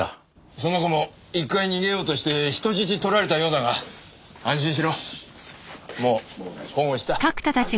その子も一回逃げようとして人質取られたようだが安心しろもう保護した。